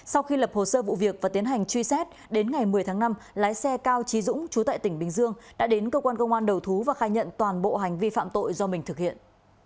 sau khi lập hồ sơ vụ việc và tiến hành truy xét đến ngày một mươi tháng năm lái xe cao trí dũng chú tại tỉnh bình dương đã đến cơ quan công an đầu thú và khai nhận toàn bộ hành vi phạm tội do mình thực hiện